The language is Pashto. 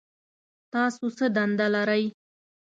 تاسو څه دنده لرئ؟